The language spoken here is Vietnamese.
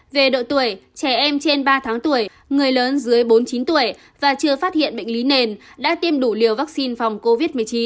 về độ tuổi trẻ em trên ba tháng tuổi người lớn dưới bốn mươi chín tuổi và chưa phát hiện bệnh lý nền đã tiêm đủ liều vaccine phòng covid một mươi chín